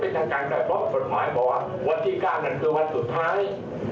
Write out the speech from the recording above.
เป็นทางการแต่เพราะกฎหมายบอกว่าวันที่๙นั่นคือวันสุดท้าย